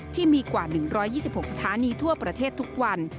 ที่มีกว่า๑๒๖สถานีทั่วประเทศทุกวัน